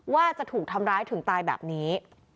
ว่าจะถูกทำร้ายถึงตายแบบนี้